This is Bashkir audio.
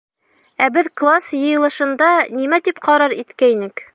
— Ә беҙ класс йыйылышында нимә тип ҡарар иткәйнек?